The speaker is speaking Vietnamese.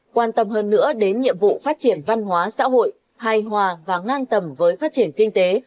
quan tâm hơn nữa đến nhiệm vụ phát triển văn hóa xã hội hài hòa và ngang tầm với phát triển kinh tế